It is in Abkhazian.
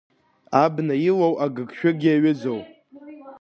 Абна илоу, агыгшәыг иаҩызоу…